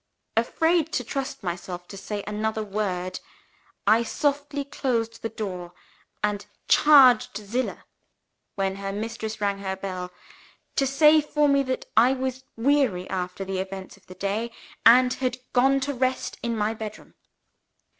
Afraid to trust myself to say another word, I softly closed the door, and charged Zillah (when her mistress rang her bell) to say for me that I was weary after the events of the day, and had gone to rest in my bed room.